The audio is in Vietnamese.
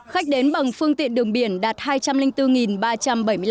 khách đến bằng phương tiện đường biển đạt hai trăm linh bốn ba trăm bảy mươi năm lượt khách